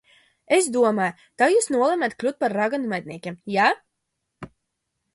Es domāju, tā jūs nolēmāt kļūt par raganu medniekiem, ja?